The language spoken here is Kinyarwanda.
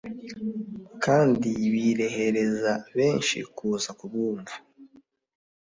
kandi birehereza benshi kuza kubwumva